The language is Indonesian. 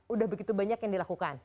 udah begitu banyak yang dilakukan